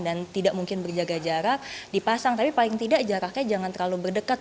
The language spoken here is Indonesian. tidak mungkin berjaga jarak dipasang tapi paling tidak jaraknya jangan terlalu berdekat